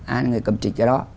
ai là người cầm trịch cái đó